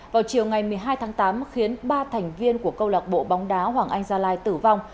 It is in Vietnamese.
vào chiều ngày một mươi hai tháng tám khiến ba thành viên của câu lạc bộ bóng đá hoàng anh gia lai tử vong